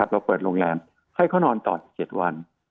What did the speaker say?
เราเปิดโรงแรมให้เขานอนต่ออีก๗วัน